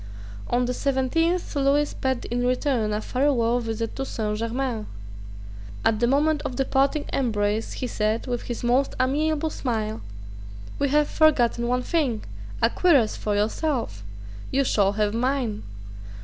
On the seventeenth Lewis paid in return a farewell visit to Saint Germains. At the moment of the parting embrace he said, with his most amiable smile: "We have forgotten one thing, a cuirass for yourself. You shall have mine."